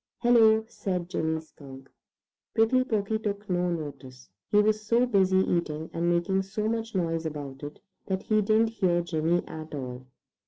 "Hello!" said Jimmy Skunk. Prickly Porky took no notice. He was so busy eating, and making so much noise about it, that he didn't hear Jimmy at all.